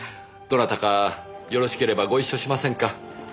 どなたかよろしければご一緒しませんか？